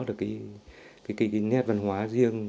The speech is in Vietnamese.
cái nét văn hóa riêng